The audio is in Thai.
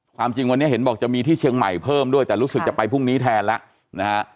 ความจริงวันนี้เห็นบอกจะมีที่เชียงใหม่เพิ่มด้วยแต่รู้สึกจะไปพรุ่งนี้แทนแล้วนะฮะ